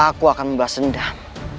aku akan membahas sendam